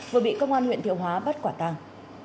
vừa bị công an huyện thiệu hóa bắt quả tàng